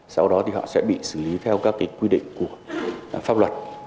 sau đó thì họ sẽ bị xử lý theo các quy định của pháp luật